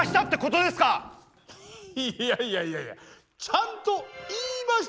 いやいやいやいやちゃんと言いましたよ。